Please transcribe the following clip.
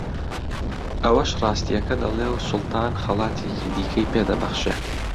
ئەویش ڕاستییەکە دەڵێ و سوڵتان خەڵاتێکی دیکەی پێ دەبەخشێ